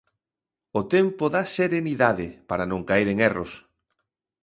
O tempo dá serenidade para non caer en erros.